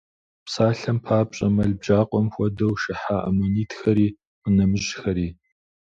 Псалъэм папщӏэ, мэл бжьакъуэм хуэдэу шыхьа аммонитхэри къинэмыщӏхэри.